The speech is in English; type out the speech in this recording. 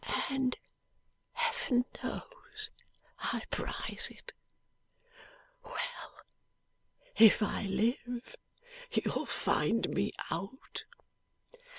'And Heaven knows I prize it! Well. If I live, you'll find me out.